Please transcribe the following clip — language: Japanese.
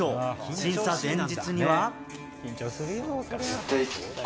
審査前日には。